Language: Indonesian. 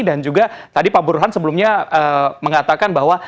dan juga tadi pak burhan sebelumnya mengatakan bahwa